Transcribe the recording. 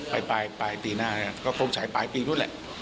ไปปลายปีหน้าก็คงใช้ปลายปีนู้นแหละ